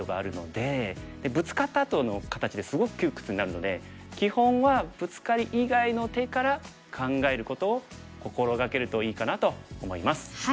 でブツカったあとの形ってすごく窮屈になるので基本はブツカリ以外の手から考えることを心掛けるといいかなと思います。